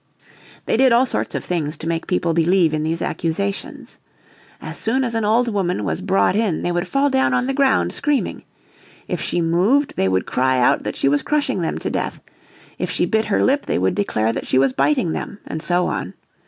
They did all sorts of things to make people believe in these accusations. As soon as an old woman was brought in they would fall down on the ground screaming. If she moved they would cry out that she was crushing them to death; if she bit her lip they would declare that she was biting them and so on.